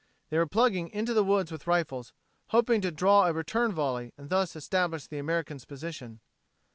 They were plugging into the woods with rifles, hoping to draw a return volley, and thus establish the American's position.